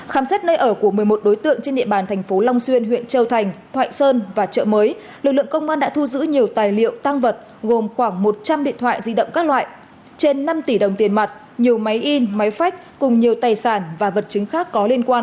khám xét nơi ở của một mươi một đối tượng trên địa bàn thành phố long xuyên huyện châu thành thoại sơn và chợ mới lực lượng công an đã thu giữ nhiều tài liệu tăng vật gồm khoảng một trăm linh điện thoại di động các loại trên năm tỷ đồng tiền mặt nhiều máy in máy phách cùng nhiều tài sản và vật chứng khác có liên quan